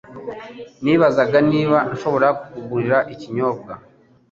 Nibazaga niba nshobora kukugurira ikinyobwa.